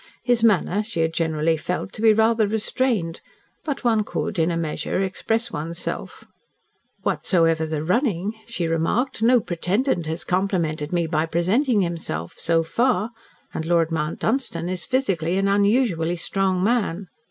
His manner she had generally felt to be rather restrained. But one could, in a measure, express one's self. "Whatsoever the 'running,'" she remarked, "no pretendant has complimented me by presenting himself, so far and Lord Mount Dunstan is physically an unusually strong man."